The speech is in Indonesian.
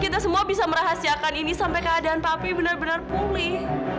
kita semua bisa merahasiakan ini sampai keadaan papi benar benar pulih